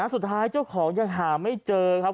สุดท้ายเจ้าของยังหาไม่เจอครับ